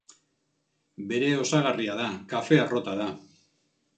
Bere osagarria da, kafe-errota da.